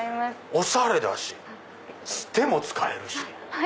おしゃれだし手も使えるし。